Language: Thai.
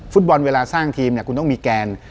ฟุตบอลเวลาสร้างทีมเนี่ยคุณต้องมีแกน